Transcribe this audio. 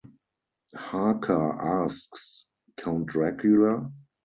Harker asks, Count Dracula?